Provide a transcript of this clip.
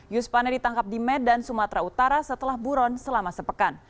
yus pane ditangkap di medan sumatera utara setelah buron selama sepekan